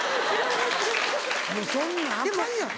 そんなんアカンやん！